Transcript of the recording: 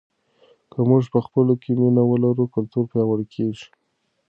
که موږ په خپلو کې مینه ولرو کلتور پیاوړی کیږي.